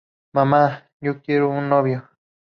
Mama...¡Yo quiero un novio!